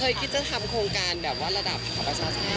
คิดจะทำโครงการแบบว่าระดับสหประชาชาติ